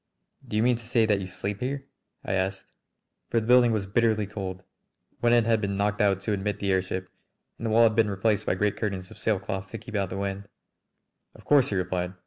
"Do you mean to say that you sleep here?" I asked. For the building was bitterly cold; one end had been knocked out to admit the airship, and the wall had been replaced by great curtains of sailcloth to keep out the wind. "Of course," he replied.